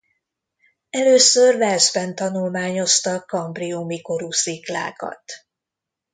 Először Walesben tanulmányoztak kambriumi korú sziklákat.